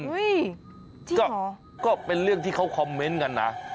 ก็เป็นเรื่องที่เขาคอมเมนต์กันนะ